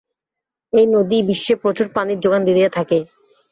এই নদী বিশ্বে প্রচুর পানির যোগান দিয়ে থাকে।